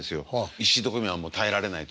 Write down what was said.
石井と小宮はもう耐えられないと。